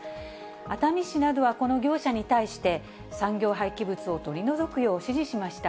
熱海市などはこの業者に対して、産業廃棄物を取り除くよう指示しました。